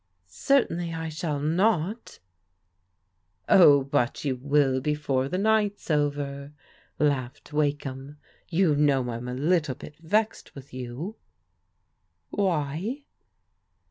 " Certainly I shall not" "Oh, but you will before the night's over," laughed Wakeham. " You know I'm a little bit vexed with you." "Why?"